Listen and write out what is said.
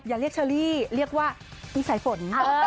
อย่าเรียกเชอรี่เรียกว่าคุณสายฝน